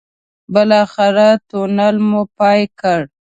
بالاخره تونل مو پای کړ.